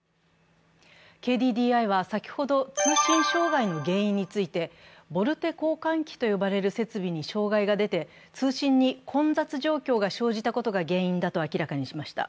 ＫＤＤＩは先ほど、通信障害の原因について、ＶｏＬＴＥ交換機と呼ばれる設備に障害が出て、通信に混雑状況が生じたことが原因だと明らかにしました。